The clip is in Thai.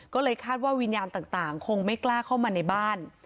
ก็เลยคาดว่าวิญญาณต่างคงไม่กล้าเข้ามาในบ้าน